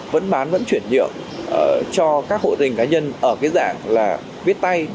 vẫn bán vẫn chuyển nhượng cho các hộ tình cá nhân ở cái dạng là viết tay